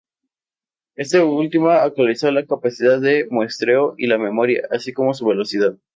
Este último actualizó la capacidad de muestreo y la memoria, así como su velocidad.